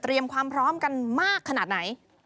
ความพร้อมกันมากขนาดไหน